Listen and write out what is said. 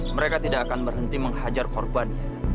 mereka tidak akan berhenti menghajar korban